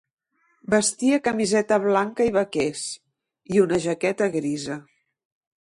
Vestia camiseta blanca i vaquers, i una jaqueta grisa.